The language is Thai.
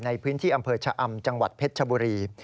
ในพื้นที่อำเภอชะอำจังหวัดเพชรชบุรี